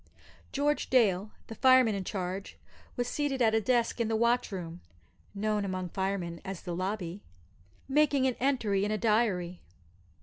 George Dale, the fireman in charge, was seated at a desk in the watch room (known among firemen as the "lobby"), making an entry in a diary.